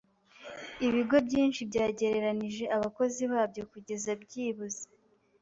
Ibigo byinshi byagereranije abakozi babyo kugeza byibuze.